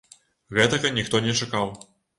Гэтага ніхто не чакаў.